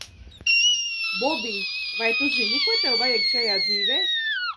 Bobij, vai tu zini, ko tev vajag šajā dzīvē?